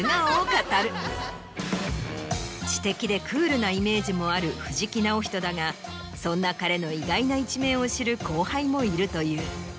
知的でクールなイメージもある藤木直人だがそんな彼の意外な一面を知る後輩もいるという。